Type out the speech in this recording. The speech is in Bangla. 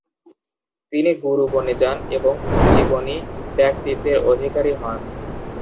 তিনি গুরু বনে যান ও উজ্জ্বীবনী ব্যক্তিত্বের অধিকারী হন।